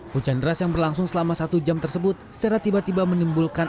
hujan deras yang berlangsung selama satu jam tersebut secara tiba tiba menimbulkan